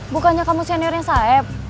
bukannya kamu seniornya saeb